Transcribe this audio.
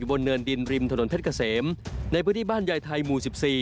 บนเนินดินริมถนนเพชรเกษมในพื้นที่บ้านยายไทยหมู่๑๔